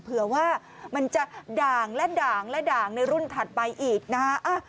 เผื่อว่ามันจะด่างและด่างและด่างในรุ่นถัดไปอีกนะฮะ